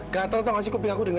gatel tau gak sih kuping aku denger